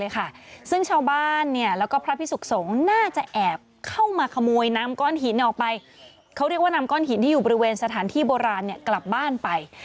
เขาเรียกว่านำก้อนหินที่อยู่บริเวณสถานที่โบราณเนี่ยกลับบ้านไป